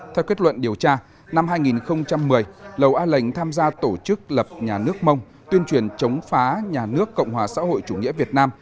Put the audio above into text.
theo kết luận điều tra năm hai nghìn một mươi lầu a lệnh tham gia tổ chức lập nhà nước mông tuyên truyền chống phá nhà nước cộng hòa xã hội chủ nghĩa việt nam